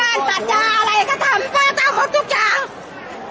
อาหรับเชี่ยวจามันไม่มีควรหยุด